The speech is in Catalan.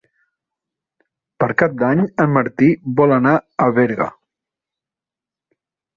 Per Cap d'Any en Martí vol anar a Berga.